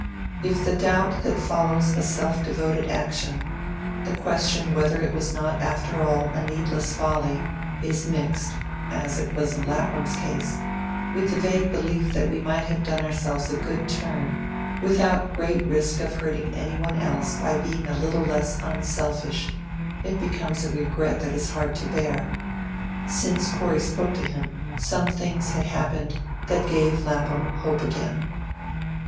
If the doubt that follows a self devoted action the question whether it was not after all a needless folly is mixed, as it was in Lapham's case, with the vague belief that we might have done ourselves a good turn without great risk of hurting any one else by being a little less unselfish, it becomes a regret that is hard to bear. Since Corey spoke to him, some things had happened that gave Lapham hope again.